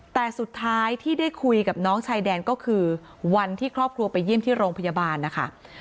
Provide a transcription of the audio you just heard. แต่สุดท้ายที่ได้คุยกับน้องชายแดนก็คือวันที่ครอบครัวไปเยี่ยมที่โรงพยาบาลนะคะ